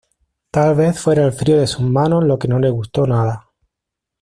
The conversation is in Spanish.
Tal vez fuera el frío de sus manos lo que no le gustó nada.